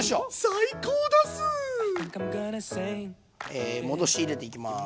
最高だす！え戻し入れていきます。